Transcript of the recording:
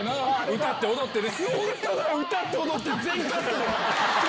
歌って踊ってね。